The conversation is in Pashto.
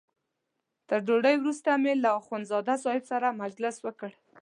تر ډوډۍ وروسته مې له اخندزاده صاحب سره مجلس وکړ.